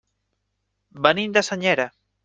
Venim de Senyera.